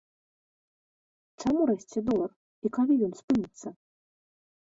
Чаму расце долар і калі ён спыніцца?